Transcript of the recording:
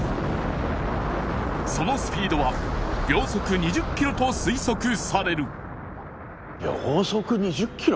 そのスピードは秒速２０キロと推測される秒速２０キロ！？